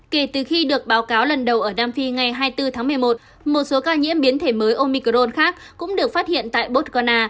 kể từ khi được báo cáo lần đầu ở nam phi ngày hai mươi bốn tháng một mươi một một số ca nhiễm biến thể mới omicron khác cũng được phát hiện tại botsgona